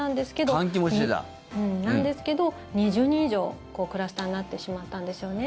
そうなんですけど２０人以上クラスターになってしまったんですよね。